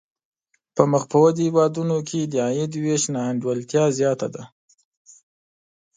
په مخ پر ودې هېوادونو کې د عاید وېش نا انډولتیا زیاته ده.